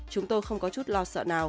chúng tôi không có chút lo sợ nào